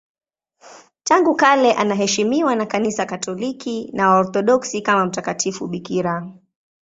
Tangu kale anaheshimiwa na Kanisa Katoliki na Waorthodoksi kama mtakatifu bikira.